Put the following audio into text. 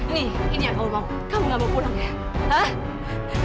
ini ini yang kamu mau kamu nggak mau pulang ya